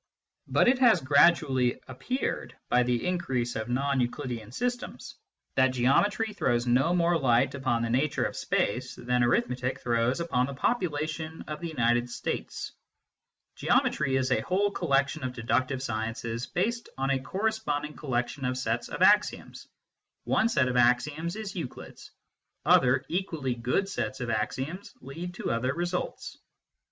But it has gradually appeared, by the increase of non Euclidean systems, that Geometry throws no more light upon the nature of space than Arithmetic throws upon the popula tion of the United States. Geometry is a whole collection of deductive sciences based on a corresponding collection of sets of axioms. One set of axioms is Euclid s ; other equally good sets of axioms lead to other results.